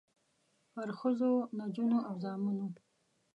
پرښخو، نجونو او زامنو